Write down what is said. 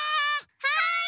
はい！